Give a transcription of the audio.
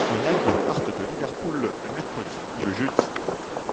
Les navires partent de Liverpool le mercredi ou le jeudi.